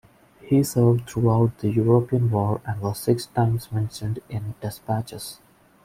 He served throughout the European War and was six times mentioned in Despatches.